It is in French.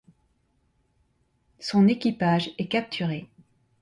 Son équipage est capturé.